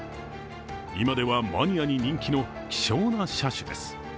今ではマニアに人気の希少な車種です。